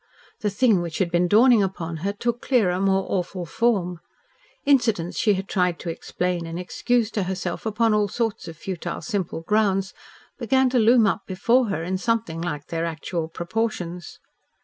The thing which had been dawning upon her took clearer, more awful form. Incidents she had tried to explain and excuse to herself, upon all sorts of futile, simple grounds, began to loom up before her in something like their actual proportions.